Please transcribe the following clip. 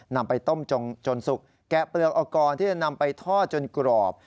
นำไปต้มจนสุกแกะเปลือกออกก่อนที่จะนำไปทอดจนกรอบ